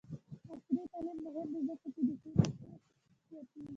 عصري تعلیم مهم دی ځکه چې د کریپټو کرنسي ګټې بیانوي.